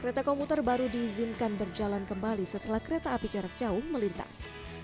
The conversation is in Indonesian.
kereta komuter baru diizinkan berjalan kembali setelah kereta api jarak jauh melintas